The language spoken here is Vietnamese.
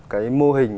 cái mô hình